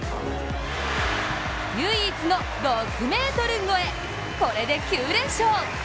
唯一の６ｍ越え、これで９連勝。